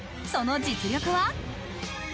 その実力は？